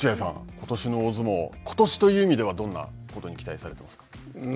ことしの大相撲、ことしという意味では、どんなことに期待されてますか。